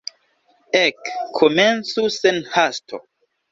Ek, komencu sen hasto.